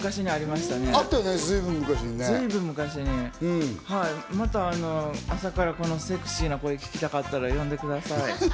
また朝からこのセクシーな声、聞きたかったら呼んでください。